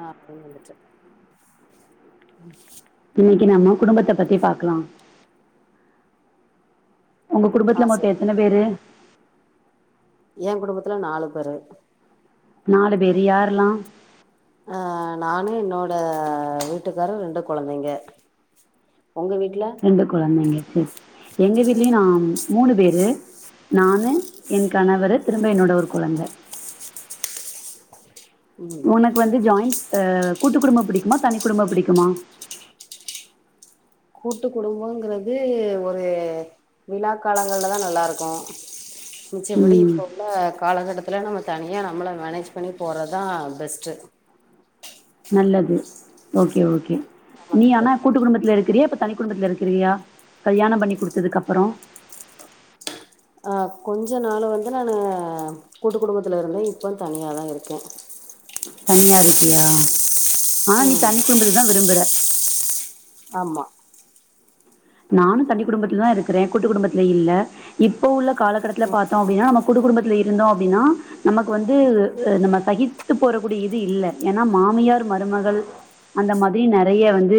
ஆஹ் நான் வந்துட்ட ம் [inaudible] இன்னக்கி நம்ம குடும்பத்த பத்தி பாக்லா ஒங்க ஆ குடும்பத்ல மொத்த சொல்லு எத்தன பேரு எங் குடும்பத்துல நாலு பேரு நாலு பேரு யாரெல்லா ஆ நானு என்னோட வீட்டுக்காரு ரெண்டு கொழந்தைங்க உங்க வீட்ல ரெண்டு கொழந்தைங்க சே எங்க வீட்லயு நா மூணு பேரு நானு என் கணவரு திரும்ப என்னோட ஒரு கொழந்த ம் உனக்கு வந்து ஜாயின் அ கூட்டுக் குடும்பம் பிடிக்குமா தனி குடும்பம் பிடிக்குமா கூட்டு குடும்போங்குறது ஒரு விழா காலங்கள்ல தா நல்லாருக்கு மிச்சப்படி ம் இப்ப உள்ள காலகட்டத் துல நம்ம தனியா நம்மள மேனேஜ் பண்ணி போறதா பெஸ்ட்டு நல்லது ஓக்கே ஓக்கே நீ நமக்கு ஆனா நல்லது கூட்டு குடும்பத்ல இருக்குறியா இப்ப தனி குடும்பத்ல இருக் க்றியா கல்யாணம் பண்ணி குடுத்ததுக்கப்பறோ அ கொஞ்ச நாளு வந்து நானு கூட்டு குடும்பத்துல இருந்தே இப்ப தனியாதா இருக்கே தனியா இருக்கியா ஆ நீ ம் தனி குடும்பத்த தா விரும்புற ஆமா நானும் தனி குடும்பத்ல தா இருக்குறே கூட்டு குடும்பத்ல இல்ல இப்ப உள்ள காலக்கடத்ல பாத்தோம் அப்டின்னா நம கூட்டு குடும்பத்ல இருந்தோ அப்டின்னா நமக்கு வந்து நம்ம சகித்து போறக்கூடிய இது இல்ல ஏன்னா மாமியார் மருமகள் அந்த மாதிரி நெறைய இது வந்து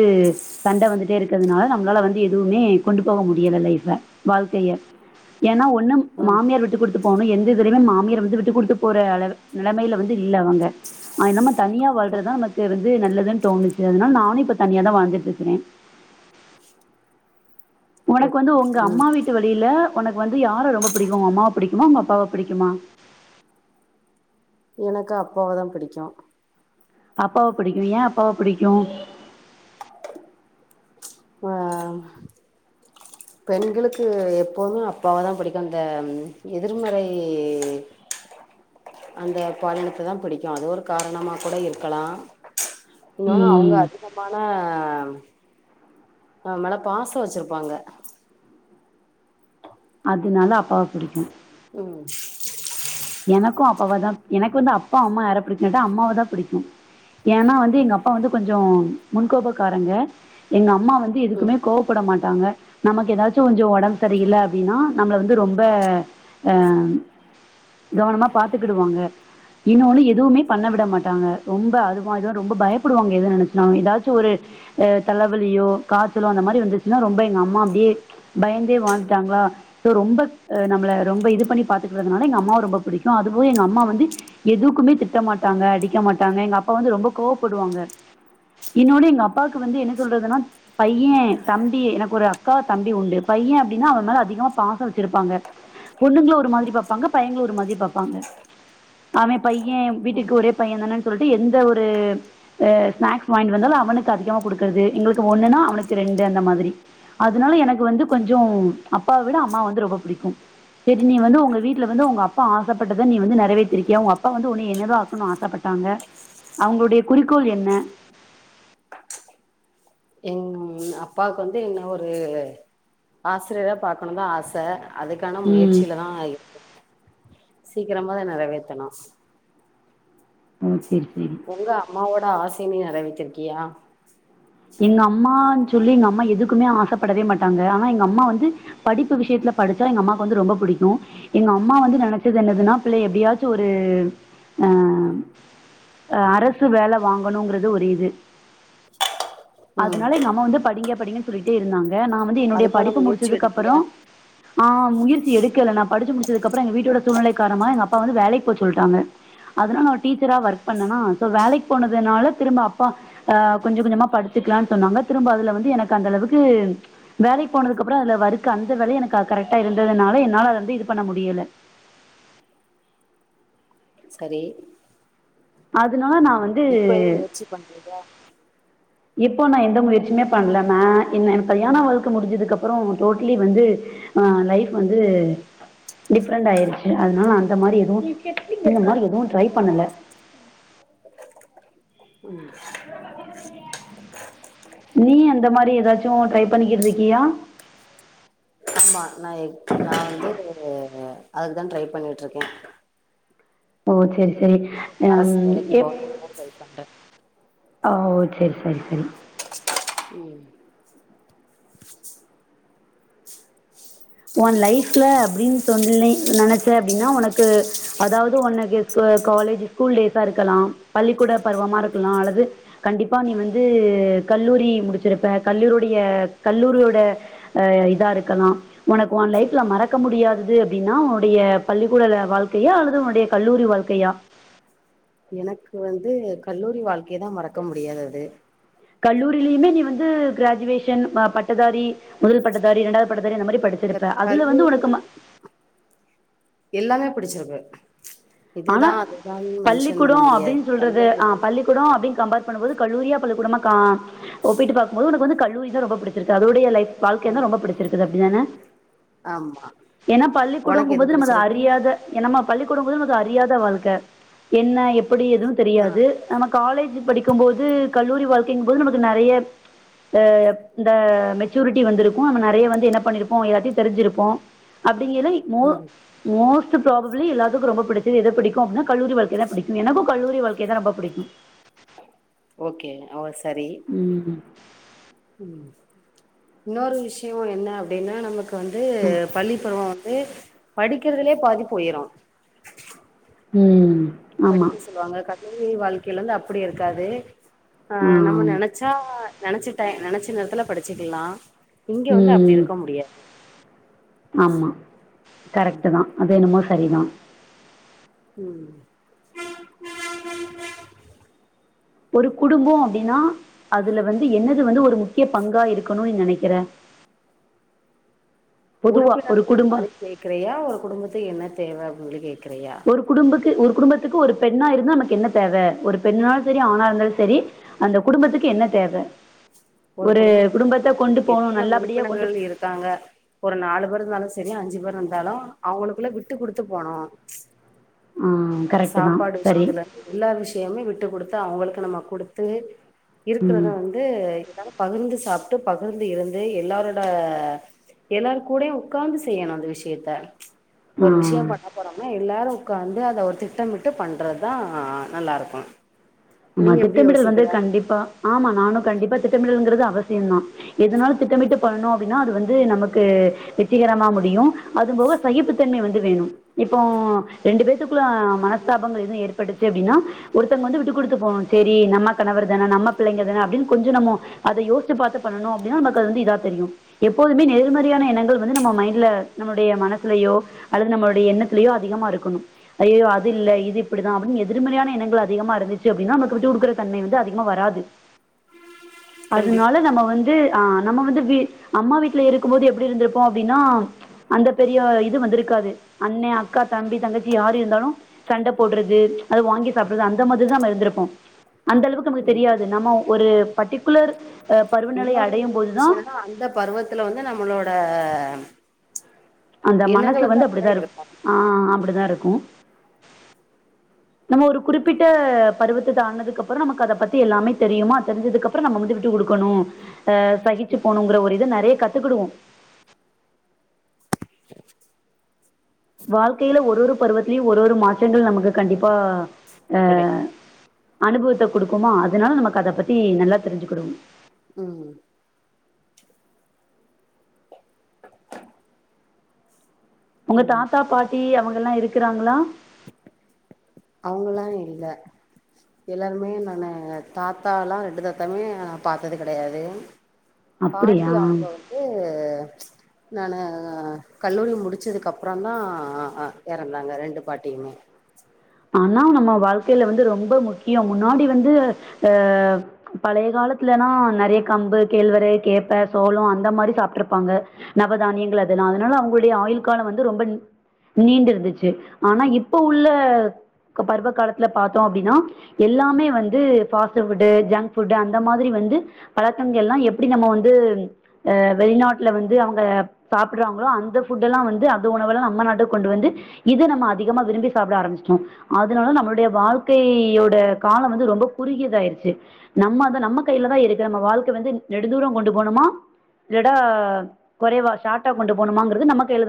சண்ட வந்துட்டே இருக்கறதுனால நம்ளால வந்து எது எதுவுமே கொண்டு போக முடியல லைஃப வாழ்க்கைய ஏன்னா ஒண்ணு ம் மாமியார் விட்டு குடுத்து போகணு எந்த இதுலமே மாமியார் வந்து விட்டு குடுத்து போற அளவு நிலமைல வந்து இல்ல அவங்க அ இல்லாம தனியா வாழ்றதா நமக்கு வந்து நல்லதுன் தோணுச்சு அதனால் நானு இப்ப தனியா தா வாழ்ந்துட்ருக்குறே ஒனக்கு ஓக் வந்து ஒங்க ம் அம்மா வீட்டு வழியில ஒனக்கு வந்து யார ரொம்ப பிடிக்கும் ஒங்க அம்மாவ பிடிக்குமா ஒங்க அப்பாவ பிடிக்குமா எனக்கு அப்பாவதா பிடிக்கு அப்பாவ பிடிக்கு ஏ அப்பாவ பிடிக்கு ஆ பெண்களுக்கு எப்போமே அப்பாவ தா பிடிக்குங்க எதிர்மறை அந்த பாலினத்த தா பிடிக்கும் அது ஒரு காரணமா கூட இருக்கலா இன்னொன்னு அவுங்க ம் அதிகமான அவமேல பாச வச்சுருப்பாங்க அதுனால அப்பாவ புடிக்கு ம் எனக்கு அப்பாவ தா எனக்கு வந்து அப்பா அம்மா யார புடிக்கு கேட்டா அம்மாவ தா பிடிக்கும் ஏன்னா வந்து எங்க அப்பா வந்து கொஞ்சொ முன்கோபக்காரங்க எங்க அம்மா வந்து எதுக்குமே கோவப்பட மாட்டாங்க நமக்கு எதாச்சு கொஞ்சோ ஒடம்பு சரியில்ல அப்டின்னா நம்மள வந்து ரொம்ப அ கவனமா பாத்துக்கிடுவாங்க இன்னொன்னு எதுவுமே பண்ண விட மாட்டாங்க ரொம்ப அது மாரிதா ரொம்ப பயப்புடுவாங்க எது நெனச்சுனா எதாச்சு ஒரு அ தலவலியோ காச்சலோ அந்த மாரி வந்துச்சுனா ரொம்ப எங்க அம்மா அப்டியே பயந்தே வாழ்ந்துட்டாங்ளா சோ ரொம்ப அ நம்ள ரொம்ப இது பண்ணி பாத்துக்குறதுனால எங்க அம்மாவ ரொம்ப புடிக்கு அதுபோல எங்க அம்மா வந்து எதுக்குமே திட்ட மாட்டாங்க அடிக்க மாட்டாங்க எங்க அப்பா வந்து ரொம்ப கோவப்படுவாங்க இன்னோனு எங்க அப்பாக்கு வந்து என்ன சொல்றதுனா பைய தம்பி எனக்கொரு அக்கா தம்பி உண்டு பைய அப்டின்னா அவெ ‌மேல அதிகமா பாசோ வச்சுருப்பாங்க பொண்ணுங்ள ஒரு மாதிரி பாப்பாங்க பையங்ள ஒரு மாதிரி பாப்பாங்க அவெ பைய வீட்டுக்கு ஒரே பையந்தானென் சொல்ட்டு எந்த ஒரு ஆ ஸ்நாக்ஸ் வாய்ன்டு வந்தாலு அவனுக்கு அதிகமா குடுக்குறது எங்களுக்கு ஒன்னுனா அவனுக்கு ரெண்டு அந்த மாதிரி அதுனால‌ எனக்கு வந்து கொஞ்சொ அப்பா விட அம்மாவ வந்து ரொம்ப புடிக்கும் சேரி நீ வந்து ஒங்க வீட்ல வந்து ஒங்க அப் ப்பபா ஆசப்பட்டத நீ வந்து நெறைவேத்திருக்கியா உங்க அப்பா வந்து உன்னய என்னதா ஆக்கணுனு ஆசப்பட்டாங்க அவங்களுடைய குறிக்கோள் என்ன எங்க அப்பாவுக்கு வந்து என்ன ஒரு ஆசிரியரா பாக்கணுன்தா ஆச அதுக்கான ம் முயற்சியில தா [inaudible] சீக்கிரமா அத நெறவேத்தணு ம் சரி சரி உங்க அம்மாவோட ஆச நீ நெறவேத்திருக்கியா எங்க அம்மாஞ் சொல்லி எங்க அம்மா எதுக்குமே ஆசப்படவே மாட்டாங்க ஆனா எங்க அம்மா வந்து படிப்பு விஷயத்துல படிச்சா எங்க அம்மாக்கு வந்து ரொம்ப பிடிக்கு எங்க அம்மா வந்து நெனைச்சது என்னதுன்னா பிள்ள எப்படியாச்சு ஒரு அ அரசு வேல வாங்கணுங்கிறது ஒரு இது ம் அதனால எங்க அம்மா வந்து படிங்க படிங்கன்னு சொல்லிட்டே இருந்தாங்க க நா வந்து என்னுடைய அதுக்கான படிப்பு முயற்சி முடிச்சதுக்கு எடுக்கியா அப்புறம் ஆஹ் முயற் சி எடுக்கல படி முடிச்சதுக்கப்பறோ எங்க வீட்டோட சூழ்நிலை காரணமா எங்கப்பா வந்து வேலைக்கு போ சொல்டாங்க அதனால ஒரு டீச்சரா வொர்க் பண்ணனா சோ வேலைக்கு போனதுனால திரும்ப அப்பா கொஞ்ச கொஞ்சமா படிச் க்கலானு சொன்னாங்க திரும்ப அதுல வந்து எனக்கு அந்த அளவுக்கு வேலைக்கு போனதுக்கு அப்புறம் அதுல வறுக்கு அந்த வேல எனக்கு கரெக்ட்டா இருந்ததுனால என்னால அது வந்து இது பண்ண முடியல சரி அதுல ஆனா நா வந்து இப்ப என்ன முயற்சி பண்றியா இப்போ நா எந்த முயற்சியுமே பண்ணல மே என்ன கல்யாண வாழ்க்க முடிஞ்சதுக்கு அப்பறம் டோட்ட்லி வந்து ஆ லைஃப் வந்து டிஃப்ரெண்ட் ஆயிருச்சு அதனால அந்த மாரி எதுவும் இந்த மாரி எதுவும் ட்ரை பண்ணல நீ அந்த மாரி ஏதாச்சும் ட்ரை பண்ணிக்கிட்டு இருக்கியா ஆமா நா நா வந்து அதுக்குதா ட்ரை பண்ணிட்டு இருக்கே ஓ செரி செரி அரசு வேலைக்கு போனுனுதா ட்ரை பண்றே ஓஓ செரி செரி செரி உம் உன் லைப்ல அப்டின்னு சொல்லி நினைச்சே அப்டின்னா உனக்கு அதாவது உனக்கு காலேஜ் ஸ்கூல் டேஸா இருக்கலாம் பள்ளிக்கூட பருவமா இருக்கலாம் அல்லது கண்டிப்பா நீ வந்து கல்லூரி முடிச்சிருப்ப கல்லூரியடைய கல்லூரியோட அ இதா இருக்கலாம் உனக்கு உன் லைஃப்ல மறக்க முடியாதது அப்டின்னா உனுடைய பள்ளிக்கூடல வாழ்க்கையா அல்லது உன்னுடைய கல்லூரி வாழ்க்கையா எனக்கு வந்து கல்லூரி வாழ்க்கைய தா மறக்க முடியாதது கல்லூரிலயுமே நீ வந்து கிராஜுவேஷன் பட்டதாரி முதல் பட்டதாரி இரண்டாவது பட்டதாரி அந்த மாரி இல்ல படிச்சிருப்ப அதுல வந்து கல்லூரி உனக்கு ம எல்லாமே பிடிச்சிருக் க்கு ஆனா பண்ண பள்ளிக்கூடம் முடியாது அப்டின்னு சொல்றது கல்லூரி ஆ லைஃப் பள்ளிக்கூடம் அப்டின்னு கம்பேர் பண்ணும்போது கல்லூரியா பள்ளிக்கூடமா கா ஒப்பிட்டு பாக்கும் போது உனக்கு வந்து கல்லூரி தா ரொம்ப பிடிச்சிருக்கு அதொடைய லைப் வாழ்க்கை தா ரொம்ப புடிச்சிருக்குது அப்டிதானே ஆமா ஏன்னா உனக்கு எது பள்ளிக்கூடங்கும்போது நம அத பிடிச்சிருக்கு அறியாத ஏனம் பள்ளிக்கூடும் அறியாத வாழ்க்கை என்ன எப்ப எப்படி எதுவும் ஆ தெரியாது நம்ம காலேஜ் படிக்கும்போது கல்லூரி வாழ்க்க போது நமக்கு நெறைய அ இந்த மெச்சூரிடி வந்துருக்கும் நம்ம நெறைய என்ன பண்ணிருப்போம் எல்லாத்தையும் தெரிஞ்சிருப்போம் அப் [unintelligible] மோர் ம் மோஸ்ட் பராபப்லி எல்லாத்துக்கும் ரொம்ப பிடிச் எத பிடிக்கும் அப்படின்னா கல்லூரி வாழ்க்கைதா பிடிக்கும் எனக்கும் கல்லூரி வாழ்க்கையைதா ரொம்ப பிடிக்கும் ஓகே அவ சரி ம் உம் இன்னொரு விஷயம் என்ன அப்படின்னா நமக் வந்து ம் பள்ளிப்பருவம் ம் படிக்கறதுலே பாதி போயிரும் உம்ஹூம் படிக்க சொல்லுவாங்க கஷ் வாழ்க்கையில இருந்து அப்படி இருக்காது ஆ ஆங் நம நனச்சா நினைச்சுட்டே நினைச்ச நேரத்துல படிச்சக்கலாம் இங்க வந்து அப்படி இருக்க முடிய ஆமா கரெக்ட்தா அது என்னுமோ சரிதா உம் ஒரு குடும்பம் அப்படின்னா அதுல வந்து என்னது வந்து ஒரு முக்கிய பங்கா இருக்கணும் நீ நினைக்கிறே உறுப்பினர்கள் மாரி சேக்கிறையா ஒரு குடும்பத்துக்கு என்ன தேவை உங்களுக்குகே ஒரு குடும்பக்கு ஒரு குடும்பத் க்கு ஒரு பெண்ணா இருந்து நமக்கு என்ன தேவை ஒரு பெண்னாலும் சரி ஆணா இருந்தாலும் சரி அந்த குடும்பத்துக்கு என்ன தேவை ஒரு குடும்பத்து குடும்பத்தை கொண்டு வந்து போகணும் எத்தனை நல்லபடியா கொண்டு உறுப்பினர்கள் இருக்காங்க ஒரு நாலு பேர்ந்தாலும் சரியா அஞ்சு பேர் இருந்தாலும் அவங்களுக்குள்ள விட்டு குடுத்து போனோம் ஆ ஆஹ் கரெக்ட் தான் சாப்பாடு சரி விஷயத்துல எல்லா விஷயமே விட்டுகுடுக்க தா அவங்களுக்கு நம்ம கொடுத்து இருக்கிறத ம் வந்து பகிர்ந்து சாப்பிட்டு பகிர்ந்து இருந்து எல்லாரோட எல்லார கூட உட்கார்ந்து செய்யணும் அந்த விஷயத்த ஒரு ஆ விஷயம் பண்ண போறோம்னா எல்லாரும் உட்காந்து அதை ஒரு திட்டமிட்டு பண்றதுதா நல்லா இருக்கும் ஆமா திட்டமிடல் வந்து கண்டிப்பா ஆமா நானு கண்டிப்பா திட்டமிடல்ங்கிறது அவசியம் தான் எதனால திட்டமிட்டு பண்ணும் அப்டின்னா அது வந்து நமக்கு வெற்றிகரமா முடியும் அதுபோக சகிப்புத்தன்மை வந்து வேணும் இப்போ ரெண்டு பேத்துக்குள்ள மனஸ்தாபங்கள் எதுவும் ஏற்பட்டுச்சு அப்டின்னா ஒருத்தங்க வந்து விட்டுகொடுத்து போகணும் செரி நம்ம கணவர் தானே நம்ம பிள்ளைங்க தானே அப்டின்னு கொஞ்சம் நம்ம அதை யோசித்து பாத்து பண்ணணும் அப்டின்னா நமக்கு வந்து இதா தெரியும் எப்போதுமே நேர்மறையான எண்ணங்கள் வந்து நம்ம மைண்ட்ல நம்மளுடைய மனசுலயோ அல்லது நம்மளுடைய எண்ணத்தலயோ அதிக இருக்கணும் ஐஐயோ அது இல்ல இது இப்டிதான் அப்டின்னு எதிர்மறையான எண்ணங்கள் அதிகமா இருந்து அப்டின்னா நமக்கு விட்டு கொடுக்குற தன்மை வந்து அதிகமா வராது கண்டிப்பா அதனால நம்ம வந்து ஆங் நம்ம வந்து அம்மா வீட்டுல இருக்கும் போது எப்டி இருந்திருப்போம் அப்டின்னா அந்த பெரிய இது வந்து இருக்காது அண்ணன் அக்கா தம்பி தங்கச்சி யாரு இருந்தாலும் சண்டை போடுறது அத வாங்கி சாப்டுறது அந்த மாதிரிதான் வந்திருப்போம் அந்த அளவுக்கு நமக்கு தெரியாது நம்ம ஒரு பட்டிகுலர் இன்னொரு விஷயம்னா அந்த பருவத்துல வந்து நம்மளோட அந்த மனசு எண்ணங்கள் வந்து அப்டிதா அப்டித்தான் இருக்கும் இருக்கு ஆஹ் அப்டிதான் இருக்கும் நம்ம ஒரு குறிப்பிட்ட பருவத்த தாண்னதுக்கு அப்புறம் ஆனதுக்கு அப்புறம் நமக்கு அதை பத்தி எல்லாமே தெரியுமா தெரிஞ்சதுக்கு அப்புறம் நம்ம வந்து விட்டு கொடுக்கணும் அ சகிச்சு போணுங்கிற ஒரு இது நெறைய கத்துக்கடுவோம் வாழ்க்கையில ஒரு ஒரு பருவத்திலயும் ஒரு ஒரு மாற்றங்கள் நமக்கு கண்டிப்பா கிடைக்கு ஆஹ் அனுபவத்த கொடுக்குமா அதனால நமக்கு அத பத்தி நல்லா தெரிஞ்சுக்கடும் ம் உங்க தாத்தா பாட்டி அவுங்க ல்லாம் இருக்கிறாங்களா அவங்களல்லாம் இல்ல எல்லாருமே நானு தாத்தாலாம் ரெண்டு தாத்தாமே நான் பாத்தது கிடையாது பாட்டி அப்படியா அவுங்க வந்து நானு கல்லூரி முடிச்சதுக்கு அப்புறம் தான் இறந்தாங்க ரெண்டு பாட்டியுமே ஆனா நம்ம வாழ்க்கையில வந்து ரொம்ப முக்கியம் முன்னாடி வந்து அஹ் பழைய காலத்துலனா நெறைய கம்பு கேழ்வரு கேப்ப சோளம் அந்த மாரி சாப்பிட்டுருப்பாங்க நவதானியங்கள் அதெல்லாம் அதனால அவங்களுடைய ஆயுள் காலம் வந்து ரொம்ப நீண்டிருந்துச்சு ஆனா இப்ப உள்ள பருவ காலத்துல பாத்தோம் அப்படின்னா எல்லாமே வந்து ஃபாஸ்ட் ஃபுட்டு ஜங்க் ஃபுட்டு் அந்த மாரி வந்து பழக்கங்கள் எல்லாம் எப்படி நம்ம வந்து அஹ் வெளிநாட்டுல வந்து அவுங்க சாப்பிடுறாங்களோ அந்த ஃபுட்டு எல்லாம் வந்து அது உணவுெல்லாம் நம்ம நாட்ட கொண்டு வந்து இதை நம்ம அதிகமா விரும்பி சாப்பிட ஆரம்பிச்சிட்டோம் அதனால நம்மளுடைய வாழ்க்கையோட காலம் வந்து ரொம்ப குறுகியதாயிருச்சு நம்ம அத நம்ம கையிலதான் இருக்கு நம்ம வாழ்க்கை வந்து நெடு தூரம் கொண்டு போகணுமா ரெடா குறைவா ஷார்ட்டா கொண்டு போகணுமாங்கறிறது நம்ம கையில தான்